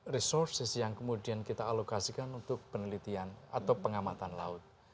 resources yang kemudian kita alokasikan untuk penelitian atau pengamatan laut